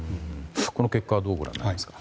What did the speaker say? この結果はどうご覧になりますか？